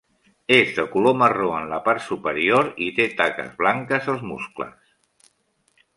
És de color marró en la par superior i té taques blanques als muscles.